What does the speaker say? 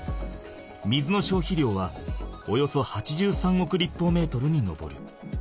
水の消費量はおよそ８３億立方メートルに上る。